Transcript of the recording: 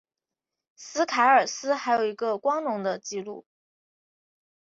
斯凯尔斯还有一个光荣的记录。